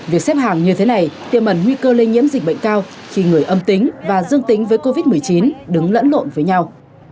việc xếp hàng như thế này tiềm ẩn nguy cơ lây nhiễm dịch bệnh cao khi người âm tính và dương tính với covid một mươi chín đứng lẫn lộn với nhau